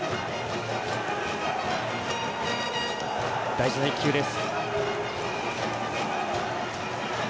大事な一球です。